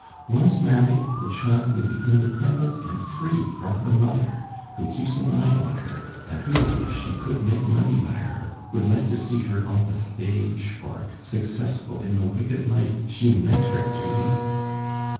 Once married, the child will be independent and free from her mother, who keeps an eye on her, and who, if she could make money by her, would like to see her on the stage, or successful in the wicked life she meant her to lead."